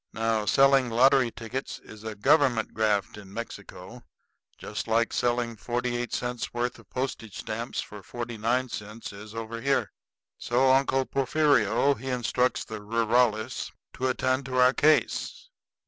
Now, selling lottery tickets is a government graft in Mexico, just like selling forty eight cents' worth of postage stamps for forty nine cents is over here. So Uncle Porfirio he instructs the rurales to attend to our case.